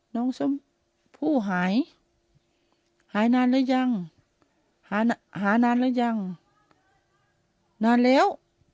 น้องสมผู้หายหายนานแล้วยังหาหานานแล้วยังนานแล้ว